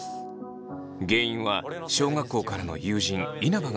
原因は小学校からの友人稲葉がかけた言葉。